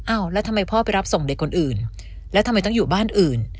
แล้วทำไมพ่อไปรับส่งเด็กคนอื่นแล้วทำไมต้องอยู่บ้านอื่น